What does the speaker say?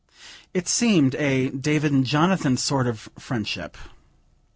It seemed a David and Jonathan sort of friendship.